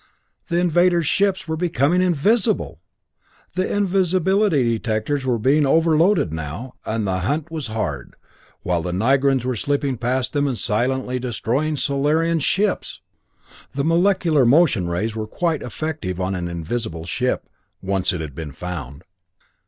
The invaders' ships were becoming invisible! The invisibility detectors were being overloaded now, and the hunt was hard, while the Nigrans were slipping past them and silently destroying Solarian ships! The molecular motion rays were quite effective on an invisible ship once it had been found.